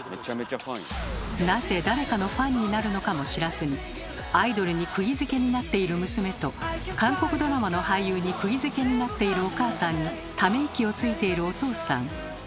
なぜ誰かのファンになるのかも知らずにアイドルにくぎづけになっている娘と韓国ドラマの俳優にくぎづけになっているお母さんにため息をついているお父さん。